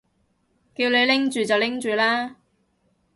叫你拎住就拎住啦